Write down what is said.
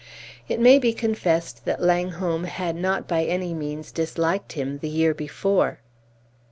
It may be confessed that Langholm had not by any means disliked him the year before.